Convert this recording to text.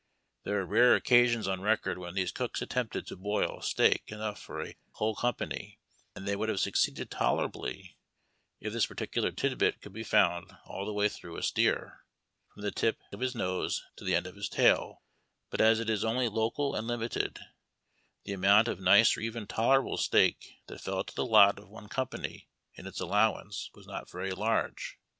There are rare occasions on record when these cooks attempted to broil steak enough for a whole company, and they would have succeeded tolerably if this particular tid bit could be found all the way through a steer, from the tip of his nose to the end of his tail, but as it is only local and limited the amount of nice or even tolerable steak that fell to the lot of one company in its allowance was not very large.